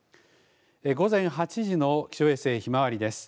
午前８時の気象衛星ひまわりです。